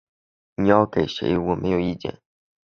你要给谁我没有意见